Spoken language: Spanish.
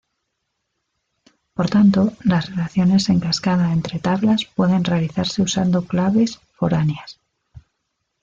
Por tanto, las relaciones en cascada entre tablas pueden realizarse usando claves foráneas.